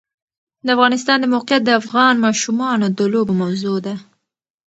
د افغانستان د موقعیت د افغان ماشومانو د لوبو موضوع ده.